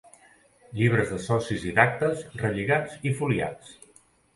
Llibres de socis i d'actes, relligats i foliats.